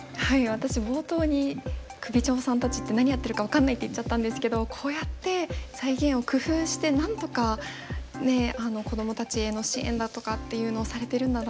私冒頭に首長さんたちって何やってるか分かんないって言っちゃったんですけどこうやって財源を工夫してなんとか子どもたちへの支援だとかっていうのをされてるんだなって。